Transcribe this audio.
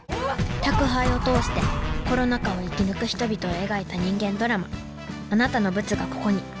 宅配を通してコロナ禍を生き抜く人々を描いた人間ドラマ「あなたのブツが、ここに」